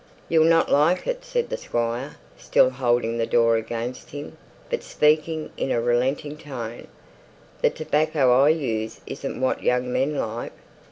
"You'll not like it," said the squire, still holding the door against him, but speaking in a relenting tone. "The tobacco I use isn't what young men like.